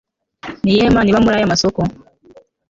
niyihe mana iba muri aya masoko